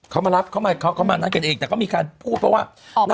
อ๋อจากที่เกิดเหตุการณ์